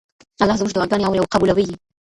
الله زموږ دعاګانې اوري او قبلوي یې.